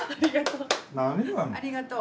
ありがとう。